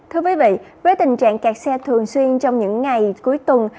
thưa quý vị với tình trạng kẹt xe thường xuyên trong những ngày cuối tuần